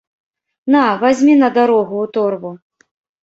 На, вазьмі на дарогу ў торбу.